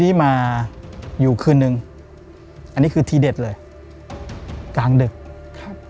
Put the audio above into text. ที่มาอยู่คืนนึงอันนี้คือทีเด็ดเลยกลางดึกครับ